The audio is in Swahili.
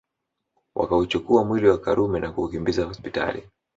Wakauchukua mwili wa Karume na kuukimbiza hospitali